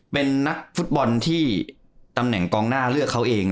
เป็นนักฟุตบอลที่ตำแหน่งกองหน้าเลือกเขาเอง